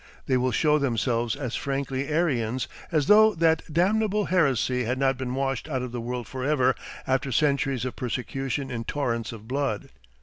They will show themselves as frankly Arians as though that damnable heresy had not been washed out of the world forever after centuries of persecution in torrents of blood.